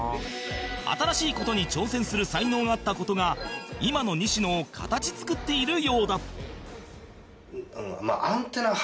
新しい事に挑戦する才能があった事が今の西野を形作っているようだ